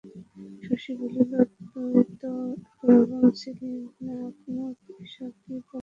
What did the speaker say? শশী বলিল, তুই তো এরকম ছিলি না কুমুদ, এসব কী পরামর্শ দিচ্ছিস?